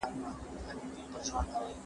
لوږه طبیعي پېښه نه ګڼل کيږي.